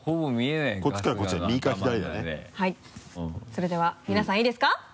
それでは皆さんいいですか？